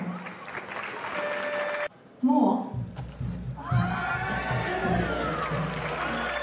あっ救急ですはい。